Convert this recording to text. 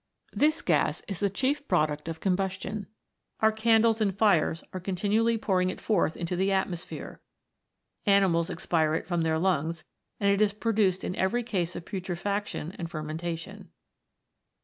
38 THE FOUR ELEMENTS. This gas is the chief product of combustion ; our candles and fires are continually pouring it forth into the atmosphere, animals expire it from their lungs, and it is produced in every case of putrefac tion and fermentation.